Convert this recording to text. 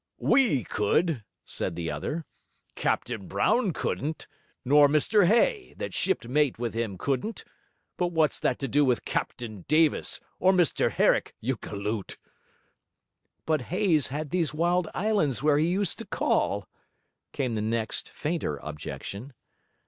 'WE could,' said the other. 'Captain Brown couldn't, nor Mr Hay, that shipped mate with him couldn't. But what's that to do with Captain Davis or Mr Herrick, you galoot?' 'But Hayes had these wild islands where he used to call,' came the next fainter objection.